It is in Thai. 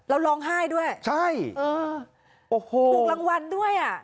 แล้วร้องไห้ด้วยโอ้โฮใช่ถูกรางวัลด้วย